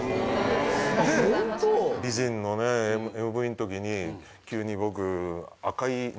で『美人』のＭＶのときに急に僕。